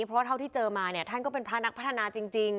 เพราะเท่าที่เจอมาเนี่ยท่านก็เป็นพระนักพัฒนาจริง